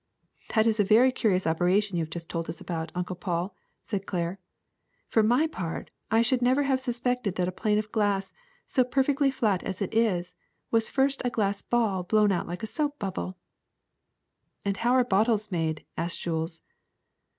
'' ^^That is a very curious operation you have just told us about, Uncle Paul,'' said Claire. ^^For my part, I should never have suspected that a pane of glass, so perfectly flat as it is, was first a glass ball blown out like a soap bubble." ^*And how are bottles made!" asked Jules.